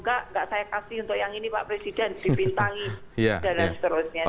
nggak nggak saya kasih untuk yang ini pak presiden dipintangi dan lain sebagainya